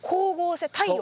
太陽？